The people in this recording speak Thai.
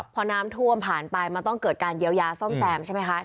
พอน้ำท่วมผ่านไปมันต้องเกิดการเยียวยาซ่อมแซมใช่ไหมคะ